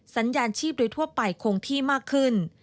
สัญญาณชีพโดยทั่วไปคงที่มากขึ้น